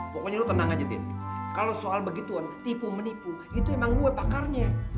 pokoknya lo tenang aja tim kalau soal begituan tipu menipu itu emang gue pakarnya